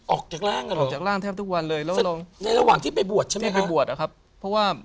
ออกจากล่างหรอ